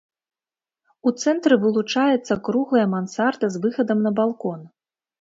У цэнтры вылучаецца круглая мансарда з выхадам на балкон.